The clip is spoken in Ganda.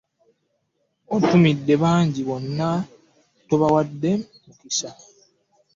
Otumidde bangi banno tobawadde mukisa!